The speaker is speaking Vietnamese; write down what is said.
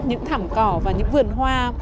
những thẳm cỏ và những vườn hoa